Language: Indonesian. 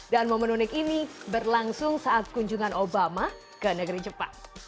dan momen unik ini berlangsung saat kunjungan obama ke negeri jepang